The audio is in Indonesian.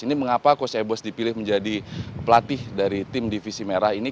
ini mengapa coach ebos dipilih menjadi pelatih dari tim divisi merah ini